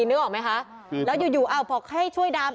แล้วอยู่พอให้ช่วยดาม